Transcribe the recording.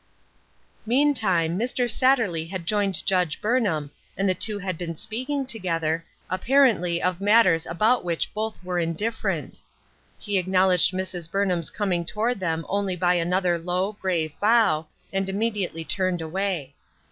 Meantime, Mr. Satterley had joined Judge Burn ham, and the two had been speaking together, apparently of matters about which both were in different. He acknowledged Mrs. Burnham's com ing toward them only by another low, grave bow, and immediately turned away.